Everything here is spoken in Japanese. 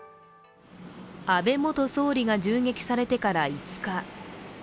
安倍元総理が銃撃されてから５日。